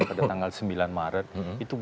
pada tanggal sembilan maret itu